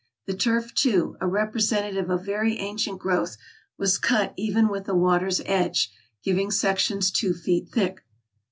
The turf, too, a representative of very ancient growth, was cut even with the water's edge, giving sections two feet thick.